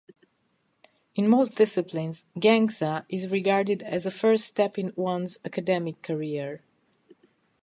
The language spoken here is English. In most disciplines, gangsa is regarded as a first step in one's academic career.